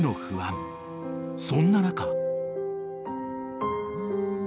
［そんな中］